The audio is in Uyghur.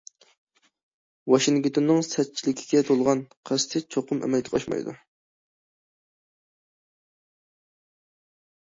ۋاشىنگتوننىڭ سەتچىلىككە تولغان« قەستى» چوقۇم ئەمەلگە ئاشمايدۇ.